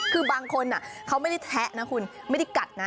คือบางคนเขาไม่ได้แทะนะคุณไม่ได้กัดนะ